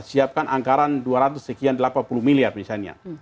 siapkan anggaran dua ratus sekian delapan puluh miliar misalnya